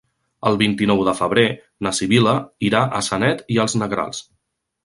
El vint-i-nou de febrer na Sibil·la irà a Sanet i els Negrals.